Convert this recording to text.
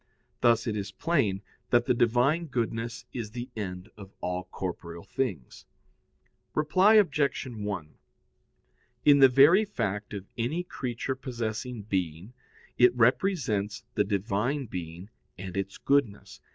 Thus it is plain that the Divine goodness is the end of all corporeal things. Reply Obj. 1: In the very fact of any creature possessing being, it represents the Divine being and Its goodness.